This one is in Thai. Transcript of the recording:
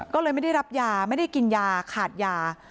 ก็เลยไม่ได้รับยาไม่ได้กินยาขาดยา